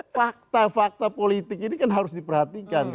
fakta fakta politik ini kan harus diperhatikan